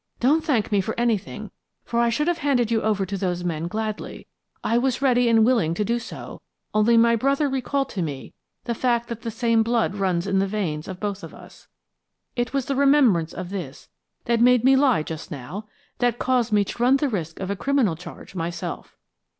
"Don't thank me for anything for I should have handed you over to those men gladly, I was ready and willing to do so, only my brother recalled to me the fact that the same blood runs in the veins of both of us. It was the remembrance of this that made me lie just now, that caused me to run the risk of a criminal charge myself.